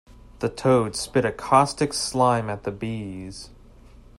The toad spit a caustic slime at the bees.